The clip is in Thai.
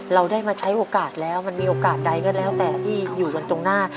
เราได้มาใช้โอกาสแล้วมันมีโอกาสใดก็แล้วแต่ที่อยู่กันตรงหน้า